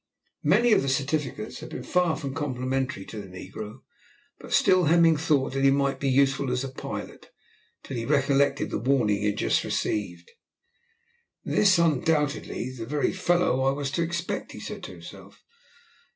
Many of the certificates had been far from complimentary to the negro, but still Hemming thought that he might be useful as a pilot, till he recollected the warning he had just before received. "This is undoubtedly the very fellow I was to expect," he said to himself.